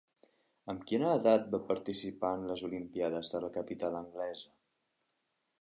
Amb quina edat va participar en les Olimpíades de la capital anglesa?